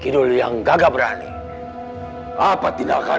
dengan tapah berata